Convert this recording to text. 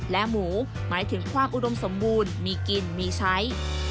และหมูหมายถึงความอุดมสมบูรณ์มีกินมีใช้